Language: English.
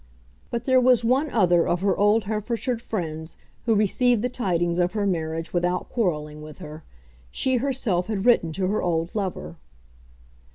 But there was one other of her old Herefordshire friends who received the tidings of her marriage without quarrelling with her. She herself had written to her old lover.